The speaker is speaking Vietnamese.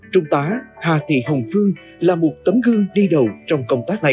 trung tá hà thị hồng phương là một tấm gương đi đầu trong công tác này